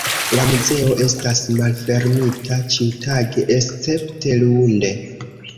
La muzeo estas malfermita ĉiutage escepte lunde.